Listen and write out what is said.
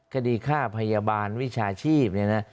คดีฆ่าพยาบาลวิชาชีพเนี่ยนะ